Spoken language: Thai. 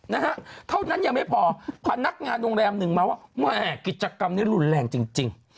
นะฮะเท่านั้นยังไม่พอพนักงานโรงแรมหนึ่งมาว่าแม่กิจกรรมนี้รุนแรงจริงจริง